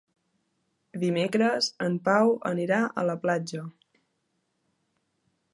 Dimecres en Pau anirà a la platja.